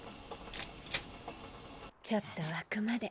ちょっと沸くまで。